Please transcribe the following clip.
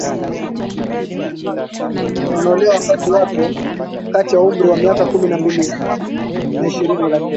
wanaolewa wakati wapo kati ya umri wa miaka kumi na mbili na ishirini Lakini